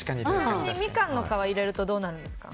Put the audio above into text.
みかんの皮を入れるとどうなるんですか？